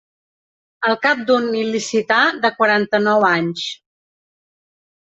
El cap d'un il·licità de quaranta-nou anys.